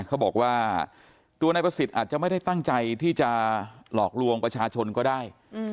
เขาบอกว่าตัวนายประสิทธิ์อาจจะไม่ได้ตั้งใจที่จะหลอกลวงประชาชนก็ได้